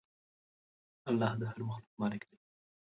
الله د هر مخلوق مالک دی.